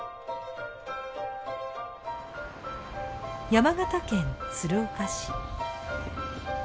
山形県鶴岡市。